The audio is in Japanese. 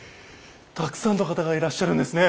たくさんの方がいらっしゃるんですね。